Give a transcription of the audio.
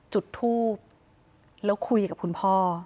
จุดทูบแล้วคุยกับคุณพ่อ